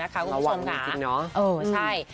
ระหว่างกันจริง